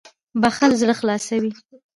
• بښل زړه خلاصوي.